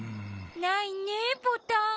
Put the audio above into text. ないねボタン。